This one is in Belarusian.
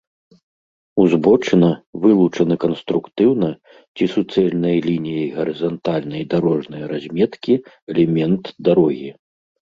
узбочына — вылучаны канструктыўна ці суцэльнай лініяй гарызантальнай дарожнай разметкі элемент дарогі